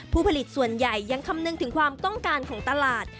ผู้ผลิตส่วนใหญ่ยังคำนึงถึงความต้องการของตลาด